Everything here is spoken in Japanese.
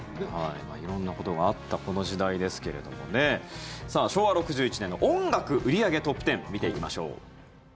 色んなことがあったこの時代ですけれどもね昭和６１年の音楽売り上げトップ１０見ていきましょう。